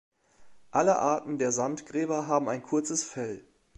Alle Arten der Sandgräber haben ein kurzes Fell.